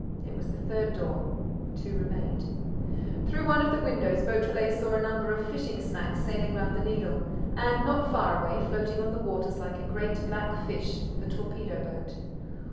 It was the third door. Two remained. Through one of the windows, Beautrelet saw a number of fishing smacks sailing round the Needle and, not far away, floating on the waters like a great black fish, the torpedo boat.